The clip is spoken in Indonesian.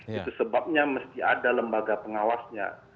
itu sebabnya mesti ada lembaga pengawasnya